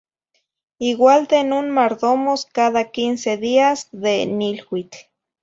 Igual de non mardomos cada quince días de niluitl.